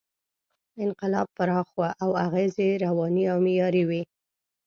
انقلاب پراخ و او اغېز یې رواني او معماري و.